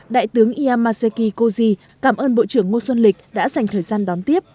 đại tướng yamazeki koji cảm ơn bộ trưởng ngô xuân lịch đã dành thời gian đón tiếp